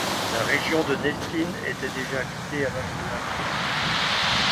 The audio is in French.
La région de Neštin était déjà habitée à l'âge de la pierre.